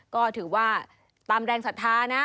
ก็ถือว่าตามแรงศรัทธานะ